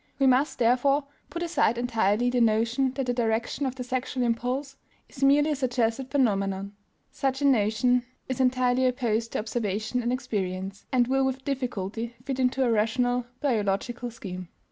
We must, therefore, put aside entirely the notion that the direction of the sexual impulse is merely a suggested phenomenon; such a notion is entirely opposed to observation and experience, and will with difficulty fit into a rational biological scheme.